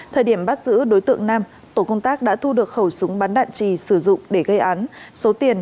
thời điểm bắt giữ đối tượng nam tổ công tác đã thu được khẩu súng bắn đạn trì sử dụng để gây án số tiền